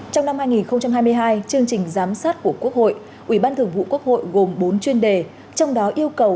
trong năm hai nghìn hai mươi hai chương trình giám sát của quốc hội ubthqh gồm bốn chuyên đề trong đó yêu cầu